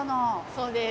そうです。